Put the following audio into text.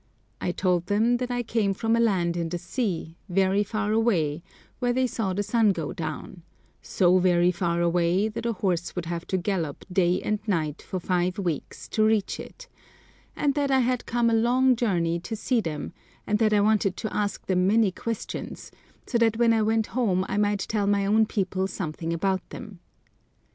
I told them that I came from a land in the sea, very far away, where they saw the sun go down—so very far away that a horse would have to gallop day and night for five weeks to reach it—and that I had come a long journey to see them, and that I wanted to ask them many questions, so that when I went home I might tell my own people something about them.